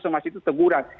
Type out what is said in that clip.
somasi itu teguran